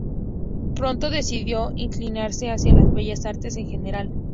Pronto decidió inclinarse hacia las Bellas Artes en general.